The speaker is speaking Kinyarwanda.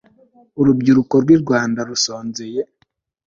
urubyiruko rw'i rwanda rusonzeye